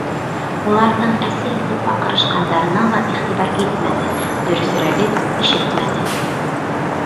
Уларҙың әсе итеп баҡырышҡандарына ла иғтибар итмәне, дөрөҫөрәге, ишетмәне.